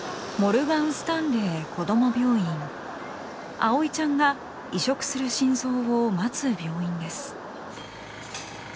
葵ちゃんが移植する心臓を待つ病院です。